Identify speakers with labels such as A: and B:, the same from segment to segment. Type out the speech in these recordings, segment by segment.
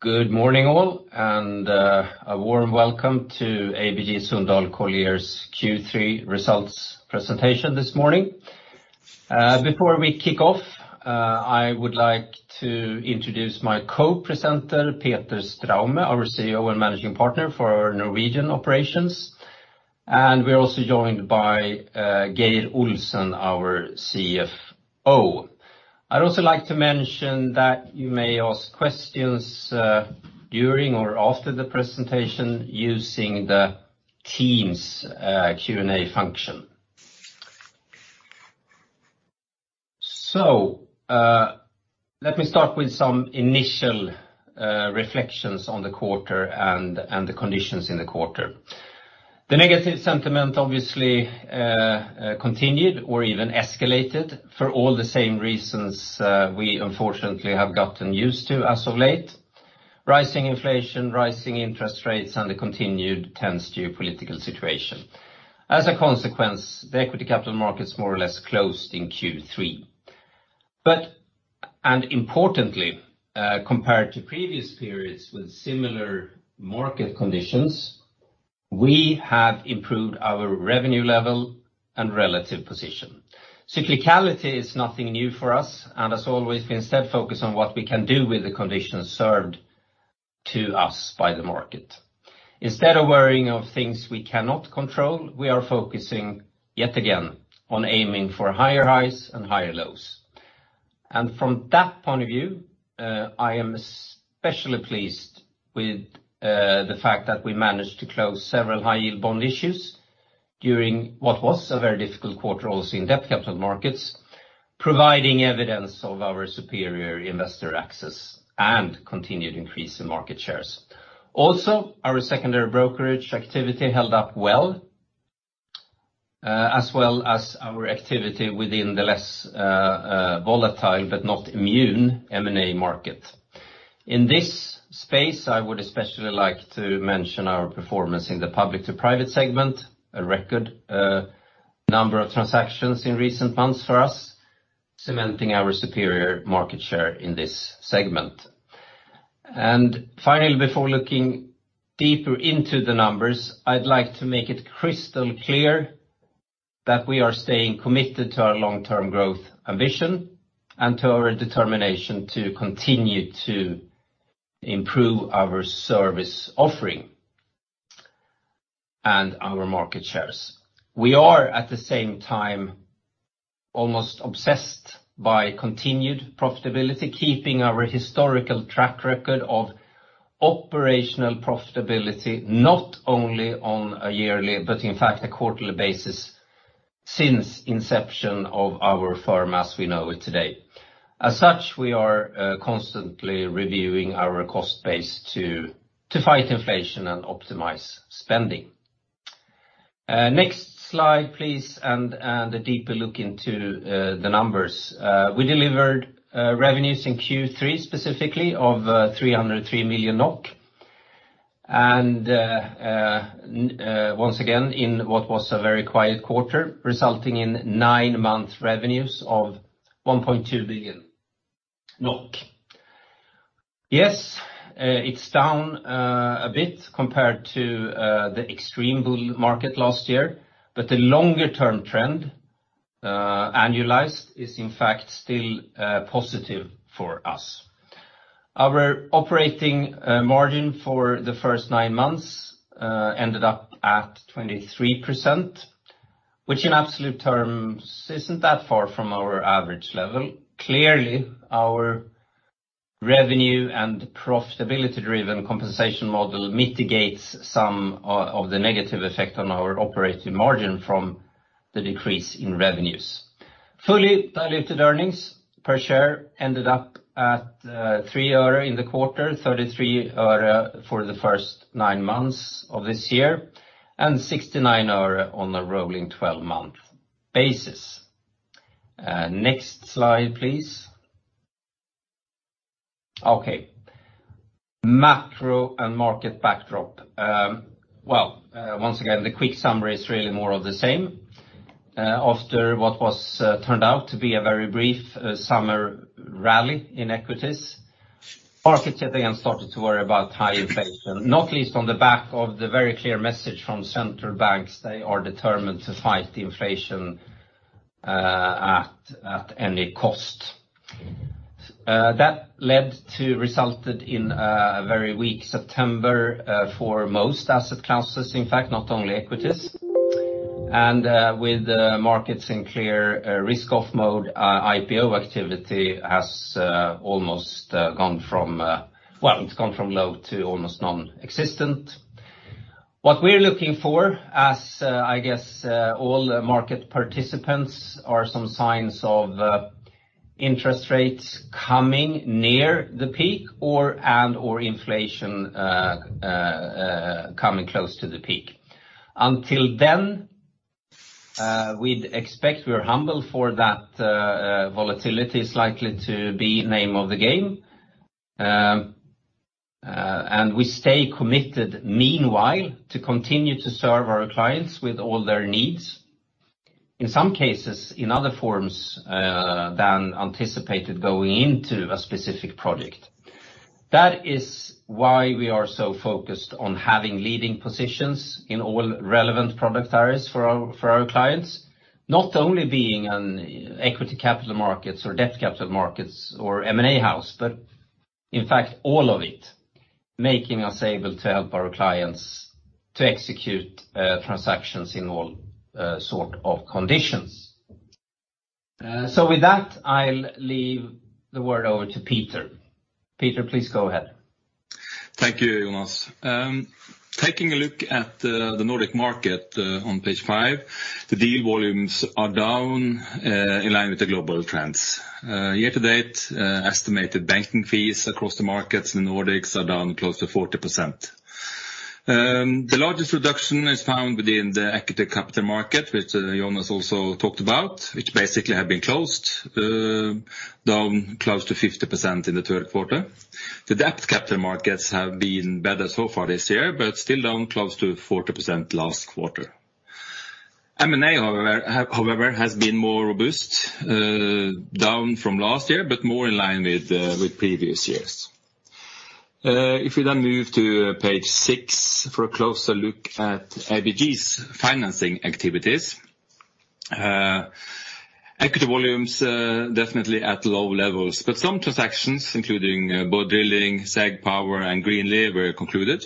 A: Good morning all, and a warm welcome to ABG Sundal Collier's Q3 results presentation this morning. Before we kick off, I would like to introduce my co-presenter, Peter Straume, our CEO and Managing Partner for Norwegian Operations. We're also joined by Geir Olsen, our CFO. I'd also like to mention that you may ask questions during or after the presentation using the Teams Q&A function. Let me start with some initial reflections on the quarter and the conditions in the quarter. The negative sentiment obviously continued or even escalated for all the same reasons we unfortunately have gotten used to as of late, rising inflation, rising interest rates, and the continued tense geopolitical situation. As a consequence, the equity capital markets more or less closed in Q3. Importantly, compared to previous periods with similar market conditions, we have improved our revenue level and relative position. Cyclicality is nothing new for us, and as always, we instead focus on what we can do with the conditions served to us by the market. Instead of worrying about things we cannot control, we are focusing, yet again, on aiming for higher highs and higher lows. From that point of view, I am especially pleased with the fact that we managed to close several high yield bond issues during what was a very difficult quarter also in debt capital markets, providing evidence of our superior investor access and continued increase in market shares. Also, our secondary brokerage activity held up well, as well as our activity within the less volatile but not immune M&A market. In this space, I would especially like to mention our performance in the public to private segment, a record number of transactions in recent months for us, cementing our superior market share in this segment. Finally, before looking deeper into the numbers, I'd like to make it crystal clear that we are staying committed to our long-term growth ambition and to our determination to continue to improve our service offering and our market shares. We are, at the same time, almost obsessed by continued profitability, keeping our historical track record of operational profitability, not only on a yearly but in fact a quarterly basis since inception of our firm as we know it today. As such, we are constantly reviewing our cost base to fight inflation and optimize spending. Next slide, please, and a deeper look into the numbers. We delivered revenues in Q3, specifically of 303 million NOK. Once again, in what was a very quiet quarter, resulting in nine-month revenues of NOK 1.2 billion. Yes, it's down a bit compared to the extreme bull market last year, but the longer term trend, annualized, is in fact still positive for us. Our operating margin for the first nine months ended up at 23%, which in absolute terms isn't that far from our average level. Clearly, our revenue and profitability-driven compensation model mitigates some of the negative effect on our operating margin from the decrease in revenues. Fully diluted earnings per share ended up at 3 euro in the quarter, 33 euro for the first nine months of this year, and 69 euro on a rolling 12-month basis. Next slide, please. Okay. Macro and market backdrop. Once again, the quick summary is really more of the same. After what turned out to be a very brief summer rally in equities, market again started to worry about high inflation, not least on the back of the very clear message from central banks, they are determined to fight the inflation at any cost. That resulted in a very weak September for most asset classes, in fact, not only equities. With the markets in clear risk-off mode, IPO activity has almost gone from well, it's gone from low to almost non-existent. What we're looking for as I guess all market participants are some signs of interest rates coming near the peak or and/or inflation coming close to the peak. Until then, we'd expect we're in for that volatility is likely to be name of the game. We stay committed meanwhile to continue to serve our clients with all their needs. In some cases, in other forms than anticipated going into a specific project. That is why we are so focused on having leading positions in all relevant product areas for our clients. Not only being on equity capital markets or debt capital markets or M&A house, but in fact all of it, making us able to help our clients to execute transactions in all sort of conditions. With that, I'll leave the word over to Peter. Peter, please go ahead.
B: Thank you, Jonas. Taking a look at the Nordic market on page five, the deal volumes are down in line with the global trends. Year to date, estimated banking fees across the markets in Nordics are down close to 40%. The largest reduction is found within the equity capital market, which Jonas also talked about, which basically have been closed down close to 50% in the third quarter. The debt capital markets have been better so far this year, but still down close to 40% last quarter. M&A however, has been more robust, down from last year, but more in line with previous years. If we then move to page six for a closer look at ABG's financing activities. Equity volumes definitely at low levels, but some transactions, including Borr Drilling, Saga Pure and Greenlay were concluded.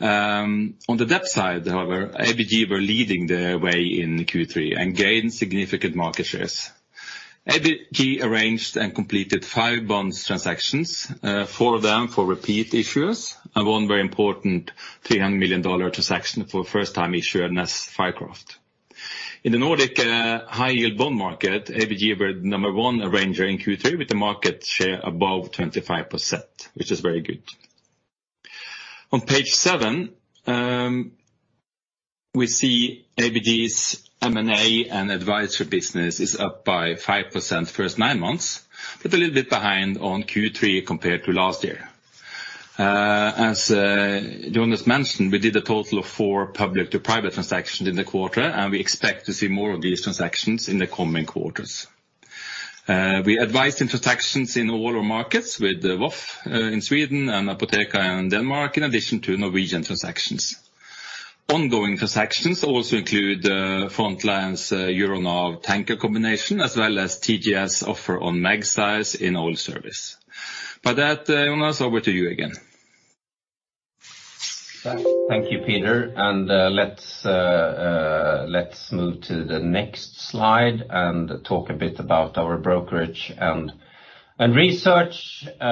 B: On the debt side, however, ABG were leading the way in Q3 and gained significant market shares. ABG arranged and completed five bond transactions, four of them for repeat issuers and one very important $300 million transaction for first-time issuer, NES Fircroft. In the Nordic high-yield bond market, ABG were number one arranger in Q3 with a market share above 25%, which is very good. On page seven, we see ABG's M&A and advisory business is up by 5% first nine months, but a little bit behind on Q3 compared to last year. As Jonas mentioned, we did a total of four public to private transactions in the quarter, and we expect to see more of these transactions in the coming quarters. We advised in transactions in all our markets with Voi in Sweden and Apotea in Denmark, in addition to Norwegian transactions. Ongoing transactions also include Frontline's Euronav tanker combination, as well as TGS offer on Magseis in oil service. By that, Jonas, over to you again.
A: Thank you, Peter. Let's move to the next slide and talk a bit about our brokerage and research that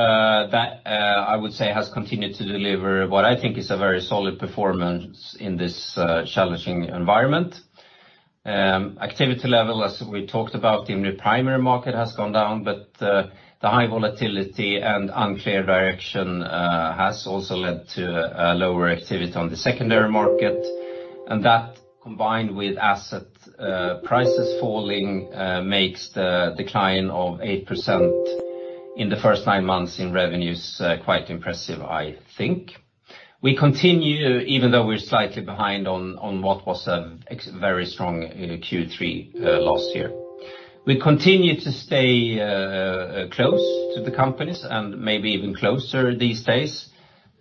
A: I would say has continued to deliver what I think is a very solid performance in this challenging environment. Activity level, as we talked about in the primary market, has gone down, but the high volatility and unclear direction has also led to a lower activity on the secondary market. That combined with asset prices falling makes the decline of 8% in the first nine months in revenues quite impressive, I think. We continue even though we're slightly behind on what was a very strong Q3 last year. We continue to stay close to the companies and maybe even closer these days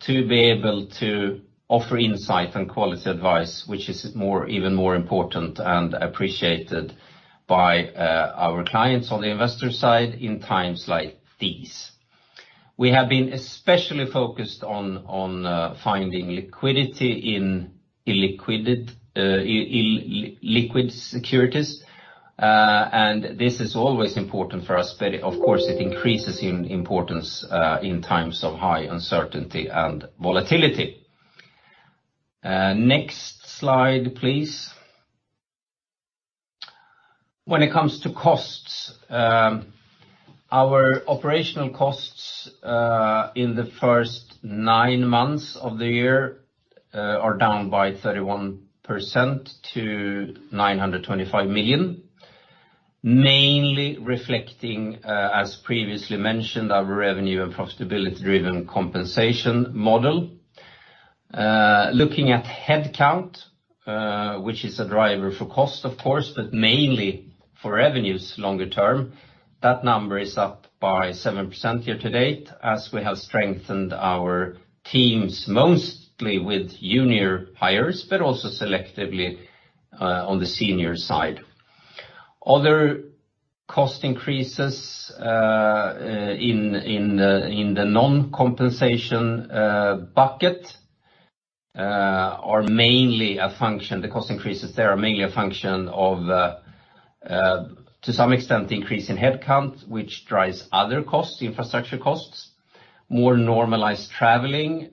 A: to be able to offer insight and quality advice, which is even more important and appreciated by our clients on the investor side in times like these. We have been especially focused on finding liquidity in illiquid securities. This is always important for us, but of course, it increases in importance in times of high uncertainty and volatility. Next slide, please. When it comes to costs, our operational costs in the first nine months of the year are down by 31% to NOK 925 million, mainly reflecting, as previously mentioned, our revenue and profitability driven compensation model. Looking at head count, which is a driver for cost, of course, but mainly for revenues longer term, that number is up by 7% year to date as we have strengthened our teams, mostly with junior hires, but also selectively, on the senior side. Other cost increases in the non-compensation bucket are mainly a function of, to some extent, the increase in head count, which drives other costs, infrastructure costs, more normalized traveling,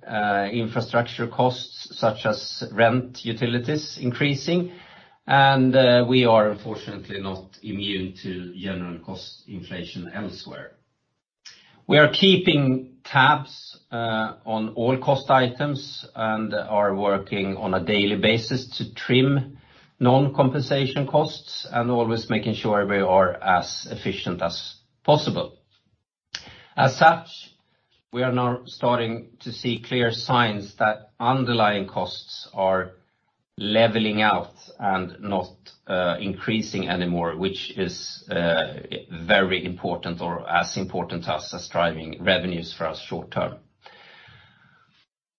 A: infrastructure costs such as rent, utilities increasing. We are unfortunately not immune to general cost inflation elsewhere. We are keeping tabs on all cost items and are working on a daily basis to trim non-compensation costs and always making sure we are as efficient as possible. As such, we are now starting to see clear signs that underlying costs are leveling out and not increasing anymore, which is very important or as important to us as driving revenues for us short term.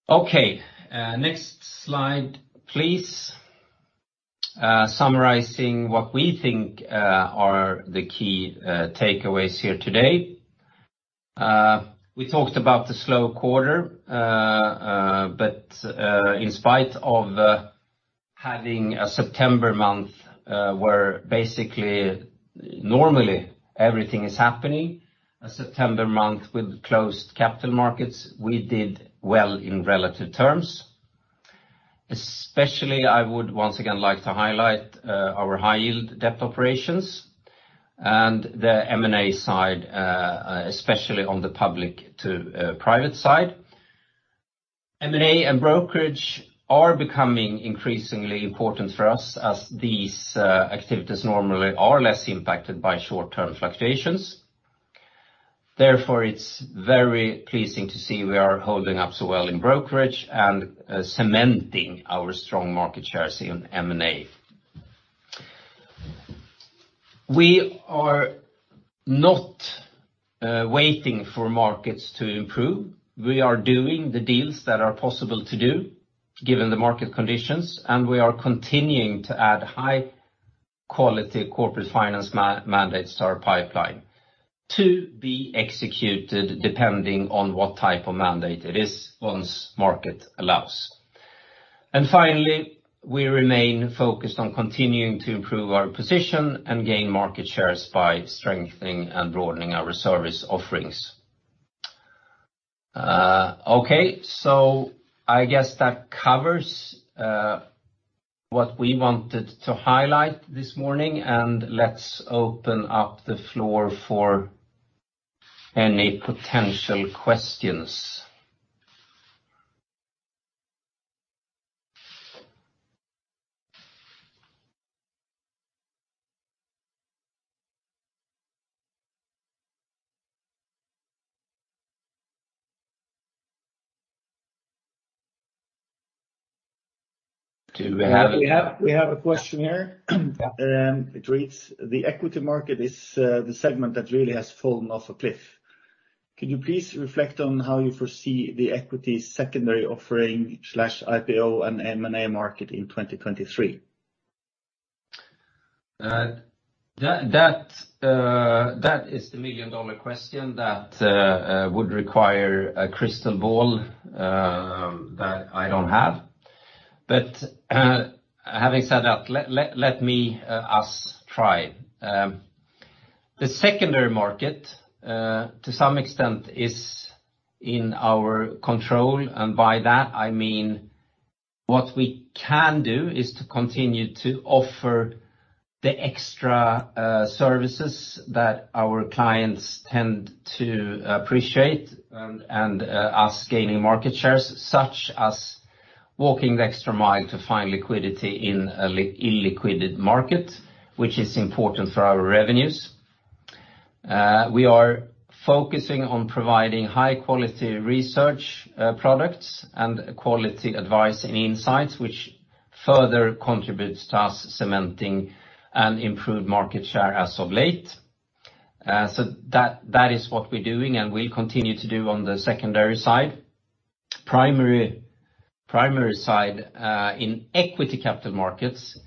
A: Okay, next slide, please. Summarizing what we think are the key takeaways here today. We talked about the slow quarter, but in spite of having a September month where basically normally everything is happening, a September month with closed capital markets, we did well in relative terms. Especially I would once again like to highlight our high yield debt operations and the M&A side, especially on the public to private side. M&A and brokerage are becoming increasingly important for us as these activities normally are less impacted by short-term fluctuations. Therefore, it's very pleasing to see we are holding up so well in brokerage and cementing our strong market shares in M&A. We are not waiting for markets to improve. We are doing the deals that are possible to do given the market conditions, and we are continuing to add high quality corporate finance mandates to our pipeline to be executed depending on what type of mandate it is once market allows. Finally, we remain focused on continuing to improve our position and gain market shares by strengthening and broadening our service offerings. Okay, I guess that covers what we wanted to highlight this morning, and let's open up the floor for any potential questions. Do we have any?
B: We have a question here.
A: Yeah.
B: It reads, the equity market is the segment that really has fallen off a cliff. Can you please reflect on how you foresee the equity secondary offering/IPO and M&A market in 2023?
A: That is the million-dollar question that would require a crystal ball that I don't have. Having said that, let us try. The secondary market to some extent is in our control, and by that I mean what we can do is to continue to offer the extra services that our clients tend to appreciate and us gaining market shares, such as walking the extra mile to find liquidity in an illiquid market, which is important for our revenues. We are focusing on providing high-quality research products and quality advice and insights, which further contributes to us cementing an improved market share as of late. That is what we're doing, and we'll continue to do on the secondary side. Primary side in equity capital markets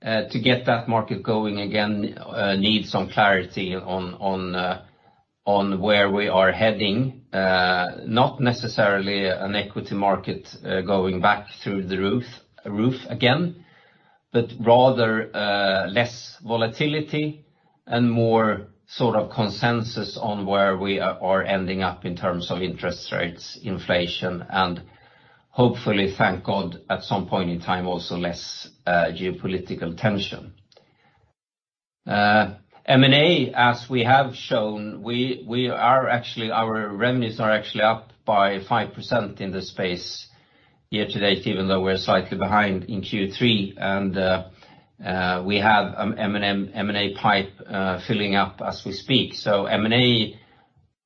A: to get that market going again needs some clarity on where we are heading, not necessarily an equity market going back through the roof again, but rather less volatility and more sort of consensus on where we are ending up in terms of interest rates, inflation, and hopefully, thank God, at some point in time, also less geopolitical tension. M&A, as we have shown, our revenues are actually up by 5% in this space year to date, even though we're slightly behind in Q3. We have an M&A pipe filling up as we speak. M&A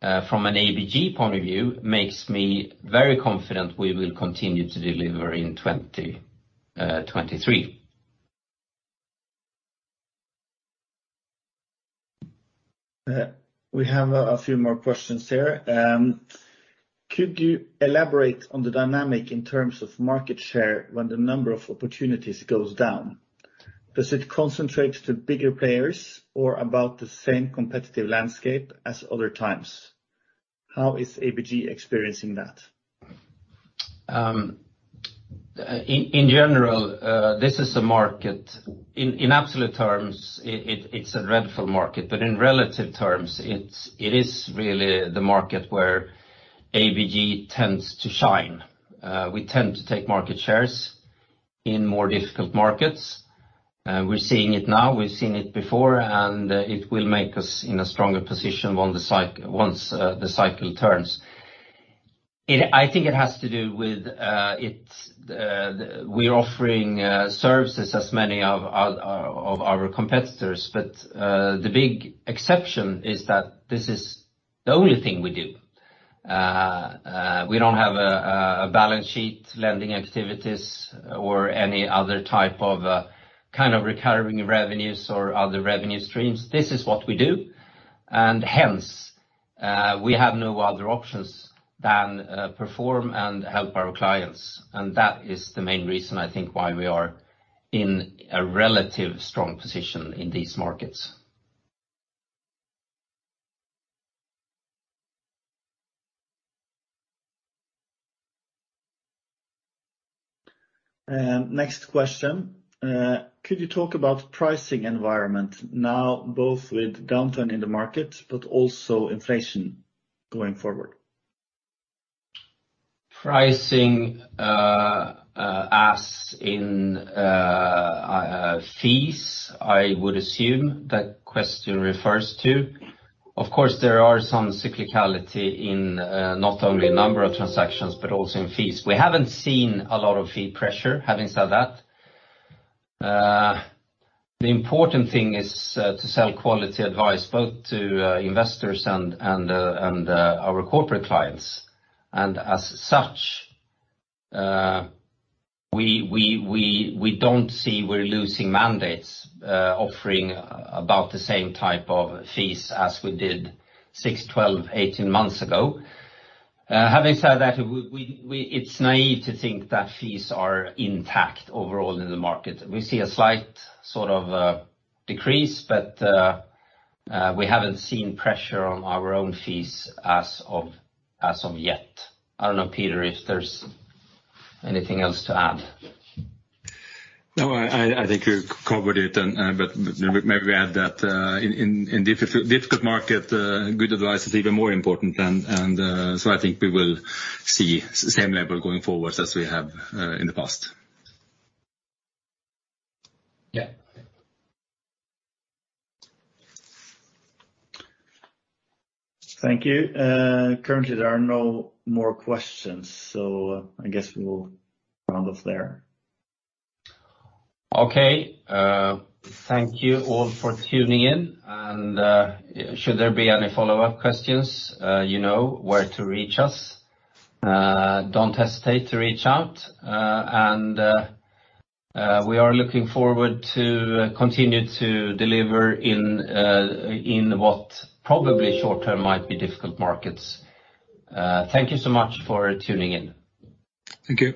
A: from an ABG point of view makes me very confident we will continue to deliver in 2023.
B: We have a few more questions here. Could you elaborate on the dynamic in terms of market share when the number of opportunities goes down? Does it concentrate to bigger players or about the same competitive landscape as other times? How is ABG experiencing that?
A: In absolute terms, it's a dreadful market. In relative terms, it is really the market where ABG tends to shine. We tend to take market shares in more difficult markets. We're seeing it now, we've seen it before, and it will make us in a stronger position once the cycle turns. I think it has to do with we're offering services as many of our competitors. The big exception is that this is the only thing we do. We don't have a balance sheet lending activities or any other type of kind of recurring revenues or other revenue streams. This is what we do, and hence, we have no other options than perform and help our clients. That is the main reason I think why we are in a relatively strong position in these markets.
B: Next question. Could you talk about pricing environment now, both with downturn in the market, but also inflation going forward?
A: Pricing, as in, fees, I would assume that question refers to. Of course, there are some cyclicality in not only number of transactions, but also in fees. We haven't seen a lot of fee pressure. Having said that, the important thing is to sell quality advice both to investors and our corporate clients. As such, we don't see we're losing mandates, offering about the same type of fees as we did six, 12, 18 months ago. Having said that, it's naive to think that fees are intact overall in the market. We see a slight sort of decrease, but we haven't seen pressure on our own fees as of yet. I don't know, Peter, if there's anything else to add.
B: No, I think you covered it, but maybe add that in difficult market, good advice is even more important. I think we will see same level going forward as we have in the past.
A: Yeah.
B: Thank you. Currently there are no more questions, so I guess we will round off there.
A: Okay. Thank you all for tuning in. Should there be any follow-up questions, where to reach us. Don't hesitate to reach out. We are looking forward to continue to deliver in what probably short-term might be difficult markets. Thank you so much for tuning in.
B: Thank you.